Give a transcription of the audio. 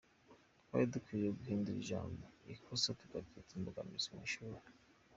Twari dukwiye guhindura ijambo “ikosa” tukaryita “imbogamizi”mu ishuri.